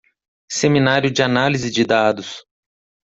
Seminário de análise de dados